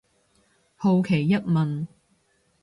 好奇一問